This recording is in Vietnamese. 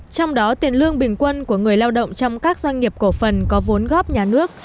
trong đó tiền lương bình quân của người lao động trong các doanh nghiệp cổ phần có vốn góp nhà nước